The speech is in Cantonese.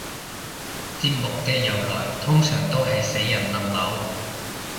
節日嘅由來通常都係死人冧樓